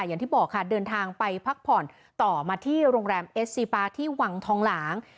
อย่างที่บอกค่ะเดินทางไปพักผ่อนต่อมาที่โรงแรมเอสซีปาที่วังทองหลาง